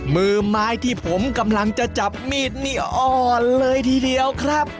มือไม้ที่ผมกำลังจะจับมีดนี่อ่อนเลยทีเดียวครับ